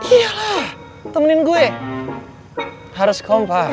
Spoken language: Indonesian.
iya lah temenin gue harus kompak